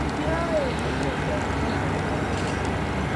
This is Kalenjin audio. kiyae en emet ab Uganda kila arawet